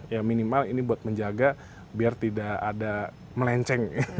ya minimal ini buat menjaga biar tidak ada melenceng